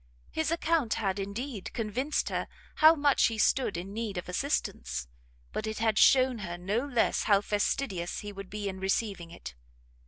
His account had, indeed, convinced her how much he stood in need of assistance, but it had shewn her no less how fastidious he would be in receiving it.